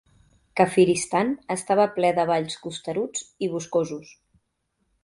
Kafiristan estava ple de valls costeruts i boscosos.